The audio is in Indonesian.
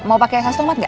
mau pakai sasung ma enggak